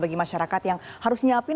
bagi masyarakat yang harus nyiapin